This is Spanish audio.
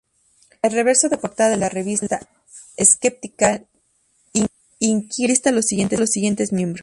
El reverso de portada de la revista "Skeptical Inquirer" lista los siguientes miembros.